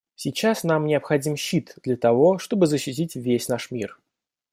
Сейчас нам необходим щит для того, чтобы защитить весь наш мир.